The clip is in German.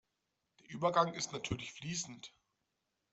Der Übergang ist natürlich fließend.